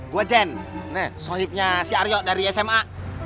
gue jen sohibnya si aryo dari sma